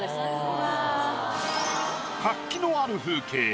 活気のある風景